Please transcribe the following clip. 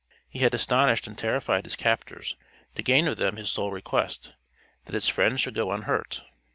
He had astonished and terrified his captors to gain of them his sole request that his friends should go unhurt.